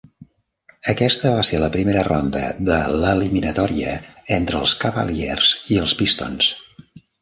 Aquesta va ser la primera ronda de l'eliminatòria entre els Cavaliers i els Pistons.